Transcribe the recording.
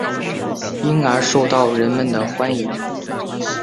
因而受到人们的欢迎。